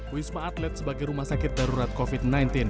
wisma atlet sebagai rumah sakit darurat covid sembilan belas